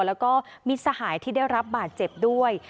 แล้วก็มิตรสหายที่ได้รับบาดเจ็บด้วย